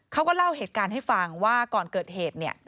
เขาก็เล่าเหตุการณ์ให้ฟังว่าก่อนเกิดเหตุเนี่ย